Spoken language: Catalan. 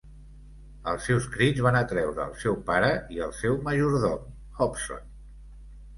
Els seus crits van atreure el seu pare i el seu majordom, Hobson.